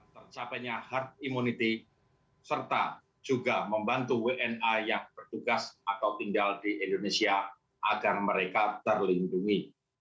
tercapainya herd immunity serta juga membantu wna yang bertugas atau tinggal di indonesia agar mereka terlindungi